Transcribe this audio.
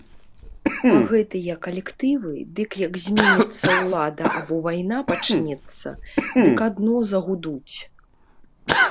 А гэтыя калектывы, дык як зменіцца ўлада або вайна пачнецца, дык адно загудуць.